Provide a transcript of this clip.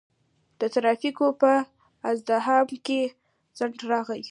د ترافیکو په ازدحام کې ځنډ راغی.